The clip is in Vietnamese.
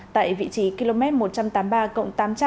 tại vị trí km một trăm tám mươi ba cộng tám trăm linh